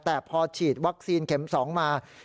แต่พอฉีดวัคซีนเข็ม๒มา